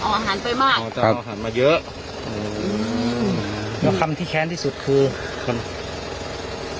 เอาอาหารไปมากอ๋อจะเอาอาหารมาเยอะอืมแล้วคำที่แค้นที่สุดคือทำ